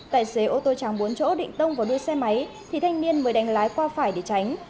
tài xế ô tô trắng bốn chỗ định tông vào đuôi xe máy thì thanh niên mới đánh lái qua phải để tránh